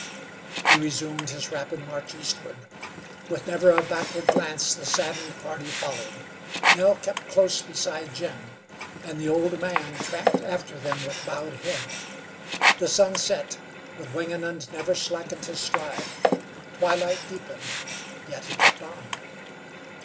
He resumed his rapid march eastward. With never a backward glance the saddened party followed. Nell kept close beside Jim, and the old man tramped after them with bowed head. The sun set, but Wingenund never slackened his stride. Twilight deepened, yet he kept on.